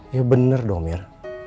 ya bener dong mir